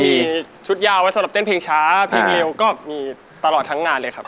มีชุดยาวไว้สำหรับเต้นเพลงช้าเพลงเร็วก็มีตลอดทั้งงานเลยครับ